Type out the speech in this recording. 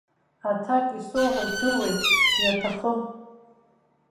Аҭакс исоуҳәо здыруеит, иаҭахым.